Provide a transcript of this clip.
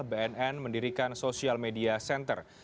bnn mendirikan sosial media center